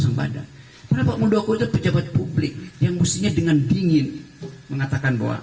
adalah seorang pejabat publik yang harusnya dengan dingin mengatakan bahwa